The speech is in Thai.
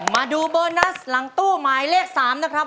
มาดูโบนัสหลังตู้หมายเลข๓นะครับ